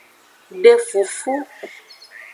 De fufu.